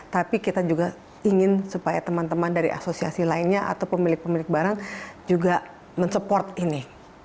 tapi kita juga ingin supaya teman teman dari asosiasi lainnya atau pemilik pemilik barang juga mensupport ini